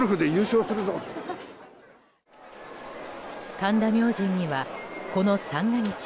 神田明神には、この三が日